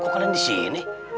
kok kalian disini